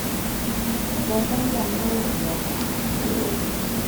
得果丁咁多零用